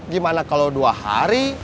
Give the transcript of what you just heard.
gimana kalau dua hari